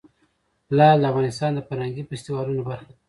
لعل د افغانستان د فرهنګي فستیوالونو برخه ده.